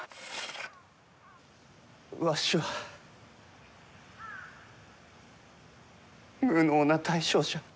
わしは無能な大将じゃ。